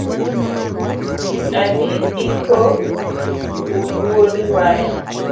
Adi iko wuod waya